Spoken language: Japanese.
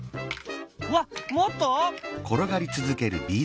うわっもっと？